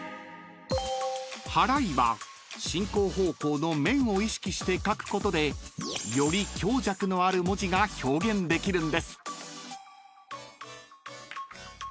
［払いは進行方向の面を意識して書くことでより強弱のある文字が表現できるんです］